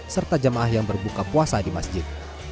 serta jamaah yang berbuka puasa di masjid